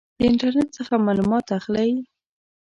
د انټرنټ څخه معلومات اخلئ؟